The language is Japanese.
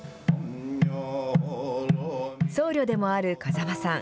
僧侶でもある風間さん。